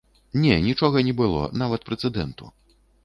Не, нічога не было, нават прэцэдэнту.